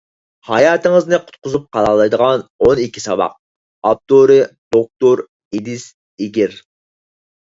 «ھاياتىڭىزنى قۇتقۇزۇپ قالالايدىغان ئون ئىككى ساۋاق»، ئاپتورى: دوكتور ئېدىس ئېگىر.